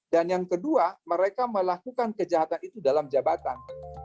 dan yang kedua mereka melakukan kejahatan itu dalam jabatan